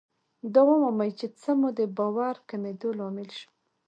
دا ومومئ چې څه مو د باور کمېدو لامل شو.